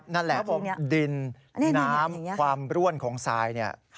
นั่นแหละครับดินน้ำความร่วนของไซด์เนี่ย